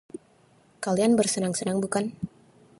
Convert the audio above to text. Kalian bersenang-senang, bukan?